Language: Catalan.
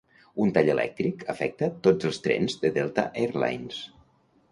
Un tall elèctric afecta tots els trens de Delta Airlines.